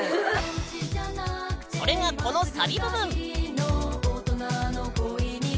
それがこのサビ部分！